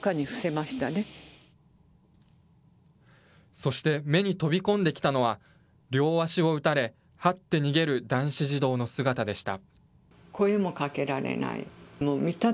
そして目に飛び込んできたのは、両足を撃たれ、はって逃げる男子児童の姿でした。